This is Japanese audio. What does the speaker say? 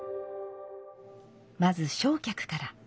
まず正客から。